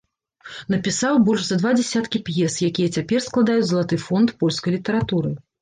Напісаў больш за два дзясяткі п'ес, якія цяпер складаюць залаты фонд польскай літаратуры.